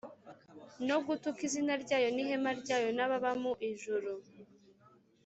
no gutuka izina ryayo n’ihema ryayo n’ababa mu ijuru.